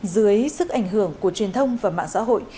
dưới sức ảnh hưởng của truyền thông và mạng xã hội